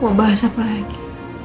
mau bahas apa lagi